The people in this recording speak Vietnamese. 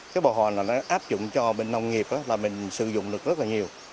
cái bò hòn nó áp dụng cho bên nông nghiệp là mình sử dụng được rất là nhiều